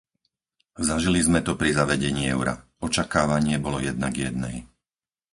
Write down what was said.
Zažili sme to pri zavedení eura. Očakávanie bolo jedna k jednej.